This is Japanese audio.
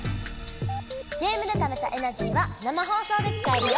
ゲームでためたエナジーは生放送で使えるよ！